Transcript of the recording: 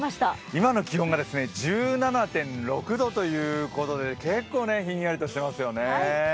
今の気温が１７．６度ということで結構ひんやりとしてますよね。